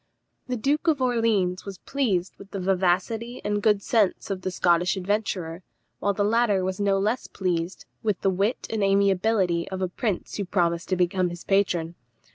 The Duke of Orleans was pleased with the vivacity and good sense of the Scottish adventurer, while the latter was no less pleased with the wit and amiability of a prince who promised to become his patron.